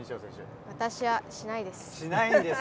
私はしないです。